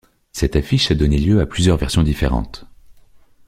Cette affiche a donné lieu à plusieurs versions différentes.